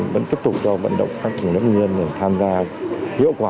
vẫn tiếp tục cho vận động các chủ nước nhiên để tham gia hiệu quả